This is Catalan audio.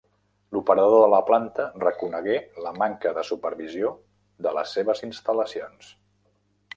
L'operador de la planta reconegué la manca de supervisió de les seves instal·lacions.